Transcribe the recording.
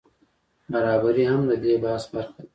برابري هم د دې بحث برخه ده.